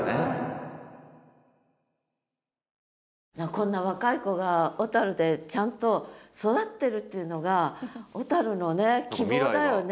こんな若い子が小でちゃんと育ってるっていうのが小の希望だよね。